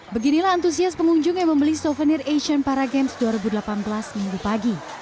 beginilah antusias pengunjung yang membeli souvenir asian paragames dua ribu delapan belas minggu pagi